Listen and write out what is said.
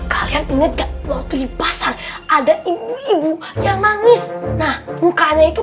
kalian inget gak waktu di pasar ada ibu ibu yang nangis nah bukanya itu